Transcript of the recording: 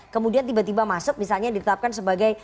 kemudian tiba tiba masuk misalnya ditetapkan sebagai